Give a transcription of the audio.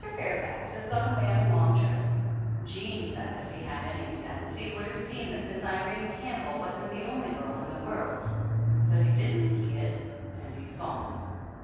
Fairfax has gone away on a long trip. Jean said if he had had any sense he would have seen that Miss Irene Campbell wasn't the only girl in the world, but he didn't see it and he's gone.